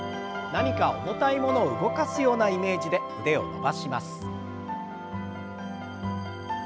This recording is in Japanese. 何か重たいものを動かすようなイメージで腕を伸ばします。